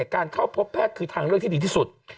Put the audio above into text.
การเข้าพบแพทย์คือทางเลือกที่ดีที่สุด